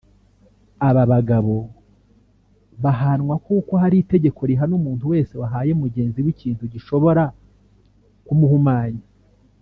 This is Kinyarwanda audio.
aba bagabo bahanwa kuko hari itegeko rihana umuntu wese wahaye mugenzi we ikintu gishobora ku muhumanya